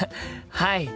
はい。